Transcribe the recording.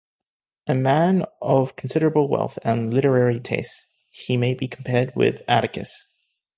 A man of considerable wealth and literary tastes, he may be compared with Atticus.